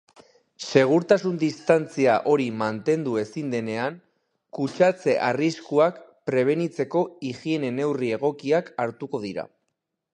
Segurtasun-distantzia hori mantendu ezin denean, kutsatze arriskuak prebenitzeko higiene-neurri egokiak hartuko dira.